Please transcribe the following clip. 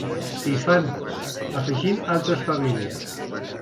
S'hi van afegint altres famílies.